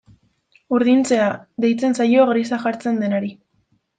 Urdintzea deitzen zaio grisa jartzen denari.